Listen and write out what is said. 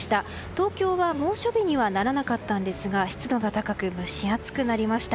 東京は猛暑日にはならなかったんですが湿度が高く蒸し暑くなりました。